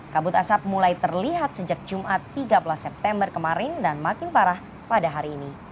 kabut asap mulai terlihat sejak jumat tiga belas september kemarin dan makin parah pada hari ini